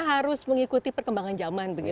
harus mengikuti perkembangan zaman